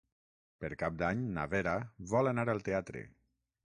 Per Cap d'Any na Vera vol anar al teatre.